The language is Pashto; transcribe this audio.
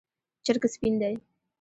چرګ سپین دی